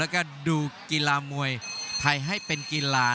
กรุงฝาพัดจินด้า